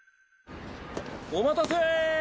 お待たせ。